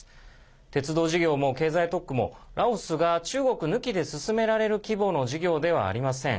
鉄道事業も経済特区も、ラオスが中国抜きで進められる規模の事業ではありません。